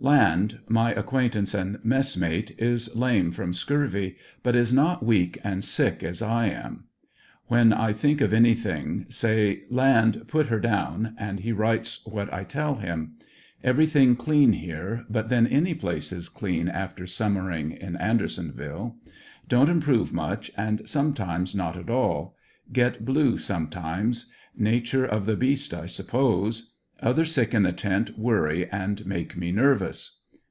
Land, my acquaintance and mess mate, is lame from scurvy, but is not* weak and sick as I am. When I think of anything, say: "Land, put her down," and he writes what I tell him. Everything clean here, but then any place is clean after summering in Anderson ville Don't improve much and sometimes not at all; get blue sometimes; nature of the beast suppose; other sick in the tent worry and make me nervous.